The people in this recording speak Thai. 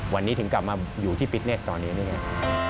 วันนี้ถึงกลับมาอยู่ที่ฟิตเนสตอนนี้ได้ไง